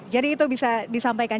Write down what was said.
jadi itu bisa disampaikan